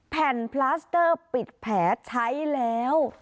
แผ่นพลาสเตอร์ปิดแผลใช้แล้ว